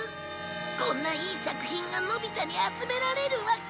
こんないい作品がのび太に集められるわけ。